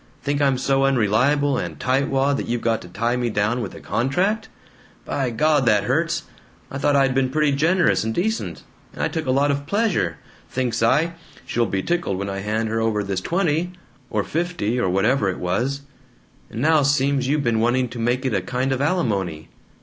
Think I'm so unreliable and tightwad that you've got to tie me down with a contract? By God, that hurts! I thought I'd been pretty generous and decent, and I took a lot of pleasure thinks I, 'she'll be tickled when I hand her over this twenty' or fifty, or whatever it was; and now seems you been wanting to make it a kind of alimony.